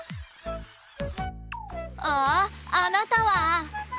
あああなたは！